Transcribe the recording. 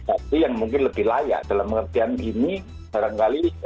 tapi yang mungkin lebih layak dalam pengertian ini barangkali